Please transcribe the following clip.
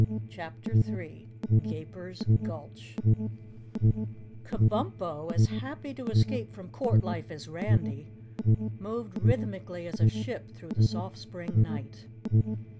CHAPTER 3 Gaper's Gulch Kabumpo, as happy to escape from Court life as Randy, moved rhythmically as a ship through the soft spring night.